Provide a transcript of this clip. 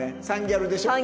３ギャルでしょ？